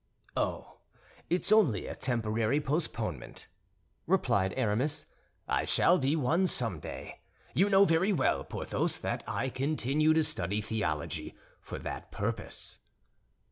"Oh, it's only a temporary postponement," replied Aramis; "I shall be one someday. You very well know, Porthos, that I continue to study theology for that purpose."